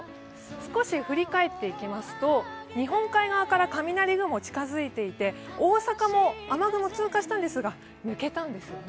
少し振り返っていきますと、日本海側から雷雲近づいていて、大阪も雨雲、通過したんですが、抜けたんですね。